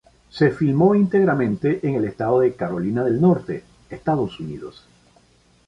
Se filmó íntegramente en el estado de Carolina del Norte, Estados Unidos.